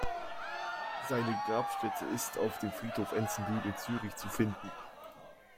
Seine Grabstätte ist auf dem Friedhof Enzenbühl in Zürich zu finden.